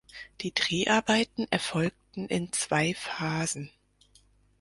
Die Dreharbeiten erfolgten in zwei Phasen.